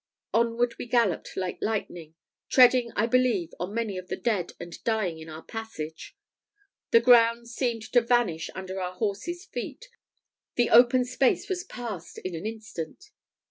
Onward we galloped like lightning, treading, I believe, on many of the dead and dying in our passage: the ground seemed to vanish under our horses' feet, the open space was passed in an instant.